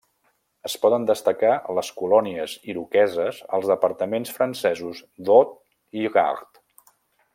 Es poden destacar les colònies iroqueses als departaments francesos d'Aude i Gard.